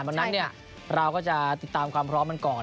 เมื่อนั้นเนี้ยใช่ค่ะเราก็จะติดตามความพร้อมมันก่อน